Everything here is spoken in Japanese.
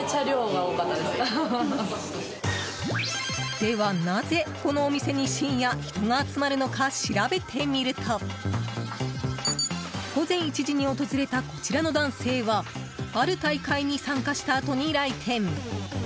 では、なぜこのお店に深夜人が集まるのか調べてみると午前１時に訪れたこちらの男性はある大会に参加したあとに来店。